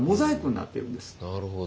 なるほど。